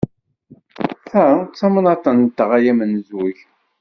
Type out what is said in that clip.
Ta d tamnaḍt-nteɣ, a amenzug!